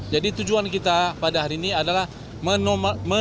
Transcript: jadi tujuan kita pada hari ini adalah menonjolkan